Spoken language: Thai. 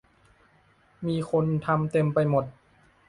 มีคนทำเต็มไปหมด